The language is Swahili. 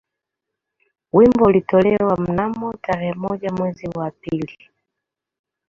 Wimbo ulitolewa mnamo tarehe moja mwezi wa pili